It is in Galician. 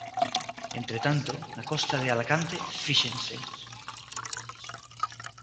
Entre tanto na costa de Alacante fíxense.